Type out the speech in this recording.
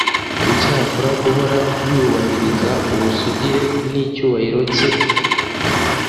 icyakora guhora yubahiriza ubusugire n, icyubahiro cye.